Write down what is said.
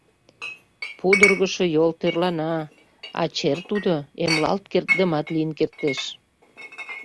Пудыргышо йол тӧрлана, а чер, тудо, эмлалт кертдымат лийын кертеш.